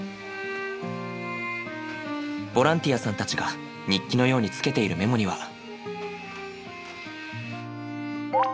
ボランティアさんたちが日記のようにつけているメモには。